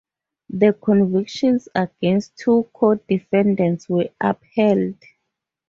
The convictions against two co-defendants were upheld.